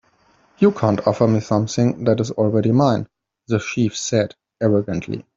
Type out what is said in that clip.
"You can't offer me something that is already mine," the chief said, arrogantly.